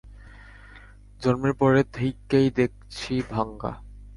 জন্মের পরের থেইক্কাই, দেখছি ভাঙা।